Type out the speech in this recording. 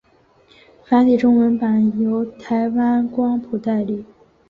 繁体中文版由台湾光谱代理。